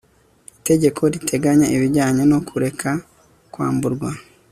itegeko riteganya ibijyanye no kureka kwamburwa